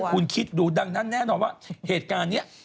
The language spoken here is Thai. คุณคิดดูดังนั้นแน่นอนว่าเหตุการณ์นี้